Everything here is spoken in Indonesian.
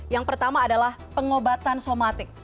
yang pertama adalah pengobatan somatik